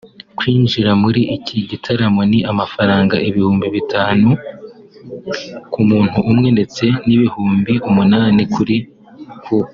Kwinjira muri iki gitaramo ni amafaranga ibihumbi bitanu ku muntu umwe ndetse n’ibihumbi umunani kuri couple